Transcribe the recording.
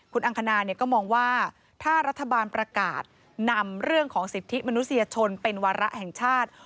คุณอังคณาก็มองว่าถ้ารัฐบาลประกาศนำเรื่องของสิทธิมนุษยชนเป็นวาระแห่งชาติ